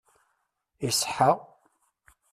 Iṣeḥḥa!